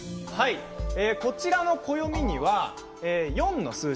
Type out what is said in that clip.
こちらの暦には四の数字